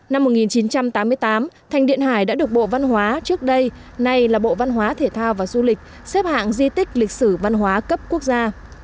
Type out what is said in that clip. năm một nghìn chín trăm tám mươi tám thành điện hải đã được bộ văn hóa trước đây nay là bộ văn hóa thể thao và du lịch xếp hạng di tích lịch sử văn hóa cấp quốc gia